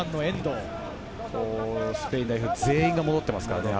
スペイン代表全員が戻っています。